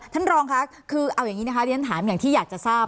ท่านรองค่ะคือเอาอย่างนี้นะคะเรียนถามอย่างที่อยากจะทราบ